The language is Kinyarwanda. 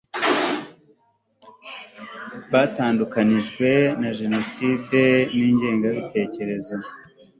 batandukanijwe na jenoside n ingengabitekerezo